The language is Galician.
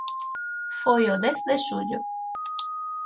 Foi o dez de xullo.